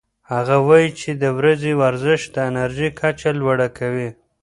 هغه وايي چې د ورځې ورزش د انرژۍ کچه لوړه کوي.